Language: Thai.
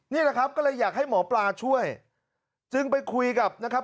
นี่แหละครับก็เลยอยากให้หมอปลาช่วยจึงไปคุยกับนะครับ